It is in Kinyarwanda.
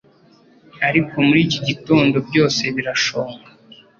ariko muri iki gitondo byose birashonga